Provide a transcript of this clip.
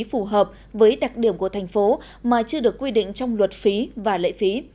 phù hợp với đặc điểm của thành phố mà chưa được quy định trong luật phí và lệ phí